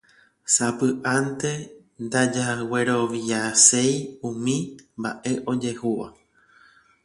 Sapy'ánte ndajagueroviaséi umi mba'e ojehúva